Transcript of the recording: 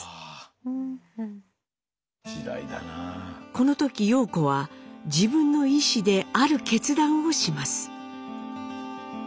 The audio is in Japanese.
この時様子は自分の意思である決断をします。